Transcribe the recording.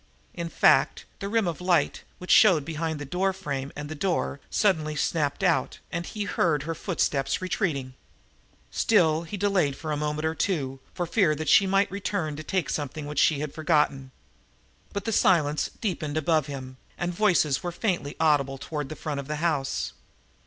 In fact, the rim of light, which showed between the door frame and the door, suddenly snapped out, and he heard her footsteps retreating. Still he delayed a moment or two, for fear she might return to take something which she had forgotten. But the silence deepened above him, and voices were faintly audible toward the front of the house.